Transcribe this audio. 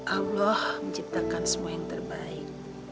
allah menciptakan semua yang terbaik